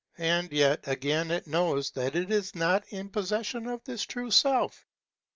But yet again it knows that it is not in possession of this true self.